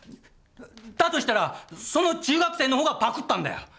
だとしたらその中学生のほうがパクったんだよ！